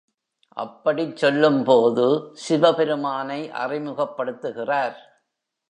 அப்படிச் சொல்லும்போது சிவபெருமானை அறிமுகப்படுத்துகிறார்.